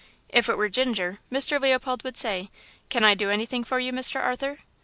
If it were Ginger, Mr. Leopold would say, "Can I do anything for you, Mr. Arthur?"